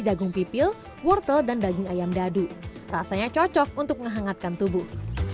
jagung pipil wortel dan daging ayam dadu rasanya cocok untuk menghangatkan tubuh